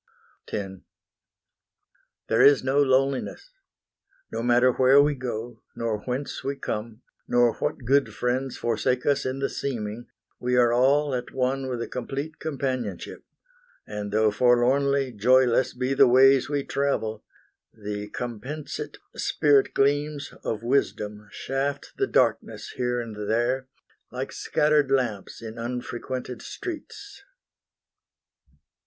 X There is no loneliness: no matter where We go, nor whence we come, nor what good friends Forsake us in the seeming, we are all At one with a complete companionship; And though forlornly joyless be the ways We travel, the compensate spirit gleams Of Wisdom shaft the darkness here and there, Like scattered lamps in unfrequented streets.